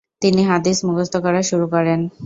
তিনি হাদীস মুখস্থ করা শুরু করেন।